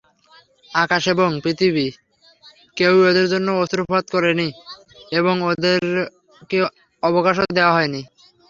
আকাশ এবং পৃথিবী কেউই ওদের জন্যে অশ্রুপাত করেনি এবং ওদেরকে অবকাশও দেয়া হয়নি।